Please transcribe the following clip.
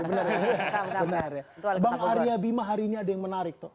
bang arya bima hari ini ada yang menarik